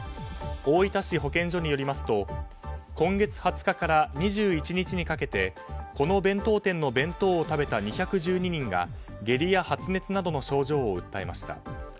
大分市保健所によりますと今月２０日から２１日にかけてこの弁当店の弁当を食べた２１２人が下痢や発熱などの症状を訴えました。